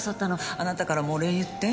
あなたからもお礼言って。